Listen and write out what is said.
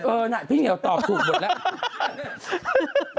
น่ะพี่เหมียวตอบถูกหมดแล้ว